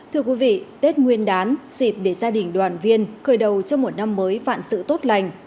thưa quý vị tết nguyên đán dịp để gia đình đoàn viên khởi đầu cho một năm mới vạn sự tốt lành